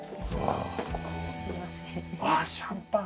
ああシャンパン。